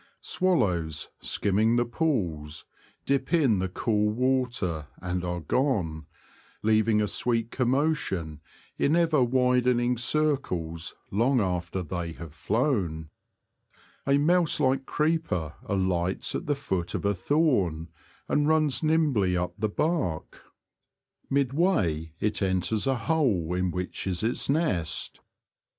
Swallows, skimming the pools, dip in the cool water, and are gone — leaving a sweet commotion in ever widening circles long after they have flown. A mouse like creeper alights at the foot of a thorn, and runs nimbly up the 14 The Confessions of a Poacher. bark ; midway it enters a hole in which is its nest.